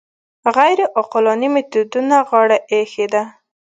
غیر عقلاني میتودونو غاړه ایښې ده